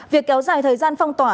việc kéo dài thời gian phong tỏa